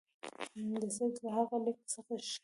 د سید له هغه لیک څخه ښکاري.